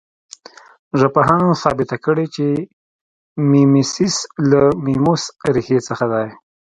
ژبپوهانو ثابته کړې چې میمیسیس له میموس ریښې څخه دی